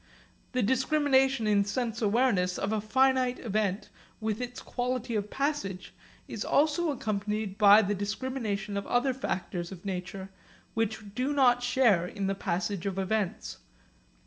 The discrimination in sense awareness of a finite event with its quality of passage is also accompanied by the discrimination of other factors of nature which do not share in the passage of events.